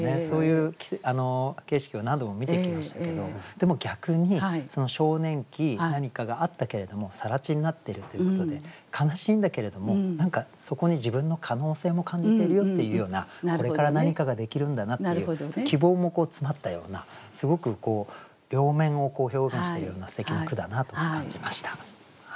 そういう景色を何度も見てきましたけどでも逆に少年期何かがあったけれども更地になっているということで悲しいんだけれども何かそこに自分の可能性も感じてるよっていうようなこれから何かができるんだなっていう希望も詰まったようなすごく両面を表現しているようなすてきな句だなと感じました。